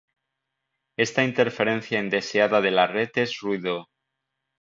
Esta interferencia indeseada de la red es ruido.